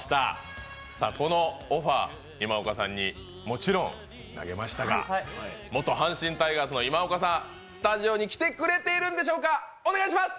このオファー、今岡さんにもちろん投げましたが、元阪神タイガースの今岡さん、スタジオに来てくれているんでしょうか、お願いします。